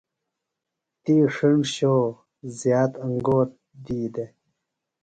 تی ݜیٹیۡ سوۡ زِیات انگور دی دےۡ۔